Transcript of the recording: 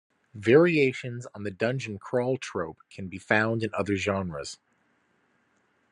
Variations on the dungeon crawl trope can be found in other genres.